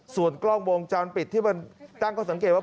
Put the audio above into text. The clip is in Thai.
ส่วนกล้องวงจรปิดที่มันตั้งข้อสังเกตว่า